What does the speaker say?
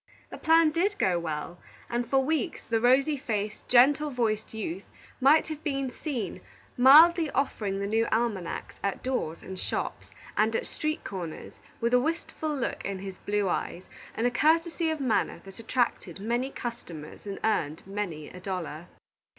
The plan did go well, and for weeks the rosy faced, gentle voiced youth might have been seen mildly offering the new almanacs at doors and shops, and at street corners, with a wistful look in his blue eyes, and a courtesy of manner that attracted many customers and earned many a dollar.